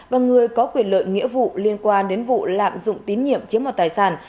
và người có quyền lợi nghĩa vụ liên quan đến vụ lạm dụng tín nhiệm chiếm mọt tài sản